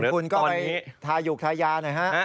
คุณคุณก็ไปทายุกทายานะฮะ